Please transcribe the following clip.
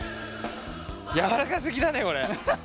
やわらかすぎだねこれ。